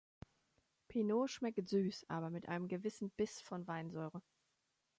Pineau schmeckt süß, aber mit einem gewissen Biss von Weinsäure.